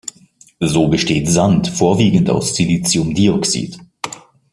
So besteht Sand vorwiegend aus Siliciumdioxid.